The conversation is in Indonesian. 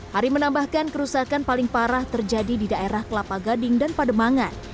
hari menambahkan kerusakan paling parah terjadi di daerah kelapa gading dan pademangan